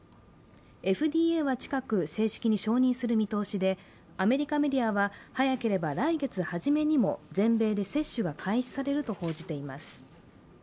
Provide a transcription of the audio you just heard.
ＦＤＡは近く正式に承認する見通しで、アメリカメディアは早ければ来月初めにも全米で接種が開始されると報じています。